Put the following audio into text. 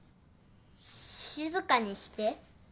静かにして。